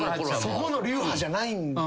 そこの流派じゃないんですか。